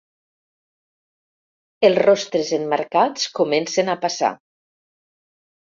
Els rostres emmarcats comencen a passar.